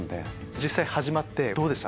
実際始まってどうでした？